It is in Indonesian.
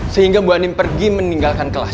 sehingga bu anim pergi meninggalkan kelas